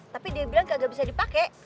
tapi dia bilang kagak bisa dipake